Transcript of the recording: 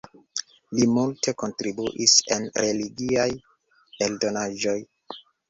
Li multe kontribuis en religiaj eldonaĵoj.